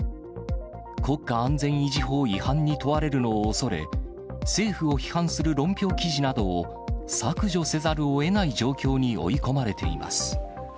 国家安全維持法違反に問われるのを恐れ、政府を批判する論評記事などを削除せざるをえない状況に追い込まれています。